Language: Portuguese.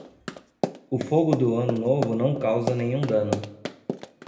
O fogo do Ano Novo não causa nenhum dano.